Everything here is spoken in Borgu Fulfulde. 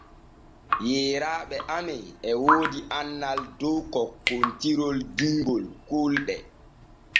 Yeyraaɓe amen e woodi annal dow kokkontirol dingol kuule.